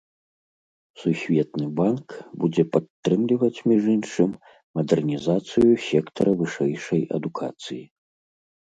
Сусветны банк будзе падтрымліваць, між іншым, мадэрнізацыю сектара вышэйшай адукацыі.